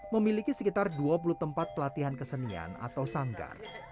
memiliki sekitar dua puluh tempat pelatihan kesenian atau sanggar